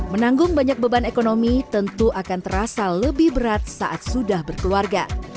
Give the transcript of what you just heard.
menanggung banyak beban ekonomi tentu akan terasa lebih berat saat sudah berkeluarga